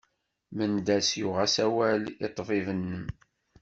Mendas yuɣ-as awal i ṭṭbib-nn.